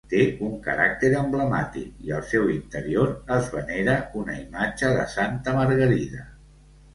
Té un caràcter emblemàtic i al seu interior es venera una imatge de Santa Margarida.